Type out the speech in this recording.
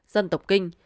dân tộc kinh